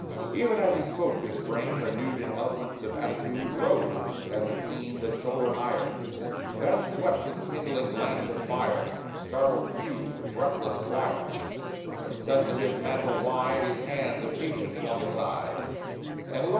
Even as he spoke, his frame, renewed In eloquence of attitude, Rose, as it seem'd, a shoulder higher; Then swept his kindling glance of fire From startled pew to breathless choir; When suddenly his mantle wide His hands impatient flung aside, And, lo!